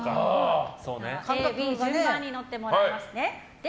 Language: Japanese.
Ａ、Ｂ順番に乗ってもらいますね。